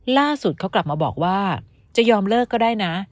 ล่าสุดเขากลับมาบอกว่าจะยอมเลิกก็ได้นะ